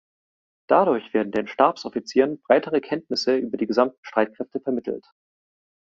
Dadurch werden den Stabsoffizieren breitere Kenntnisse über die gesamten Streitkräfte vermittelt.